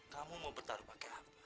kamu mau bertarung pakai apa